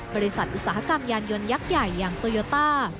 บริษัทอุตสาหกรรมยานยนต์ยักษ์ใหญ่อย่างโตยูต้า